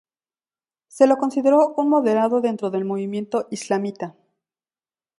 Se lo consideró un moderado dentro del movimiento islamista.